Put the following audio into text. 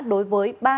đối với ba địa chỉ